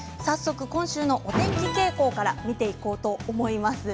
今週のお天気傾向から見ていこうと思います。